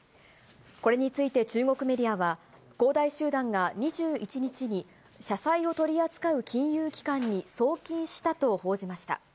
これについて、中国メディアは、恒大集団が２１日に、社債を取り扱う金融機関に送金したと報じました。